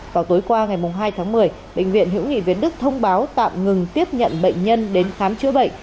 vào tối qua ngày hai tháng một mươi bệnh viện hữu nghị việt đức thông báo tạm ngừng tiếp nhận bệnh nhân đến khám chữa bệnh